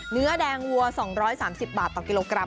เนื้อแดงวัว๒๓๐บาทต่อกิโลกรัม